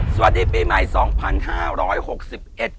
สวัสดีปีใหม่สองพันห้าร้อยหกสิบเอ็ด